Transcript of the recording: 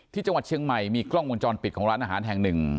ที่จังหวัดเชียงใหม่มีกล้องวงจรปิดของร้านอาหารแห่งหนึ่ง